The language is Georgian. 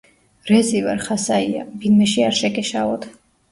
რეზი ვარ ხასაია ვინმეში არ შეგეშალოთ